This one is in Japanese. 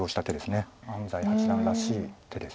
安斎八段らしい手です。